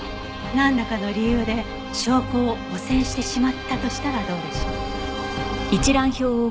なんらかの理由で証拠を汚染してしまったとしたらどうでしょう？